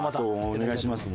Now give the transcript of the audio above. お願いします。